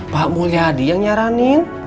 pak mulyadi yang nyaranin